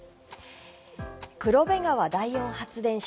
黒部川第四発電所